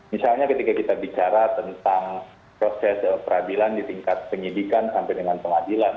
misalnya ketika kita bicara tentang proses peradilan di tingkat penyidikan sampai dengan pengadilan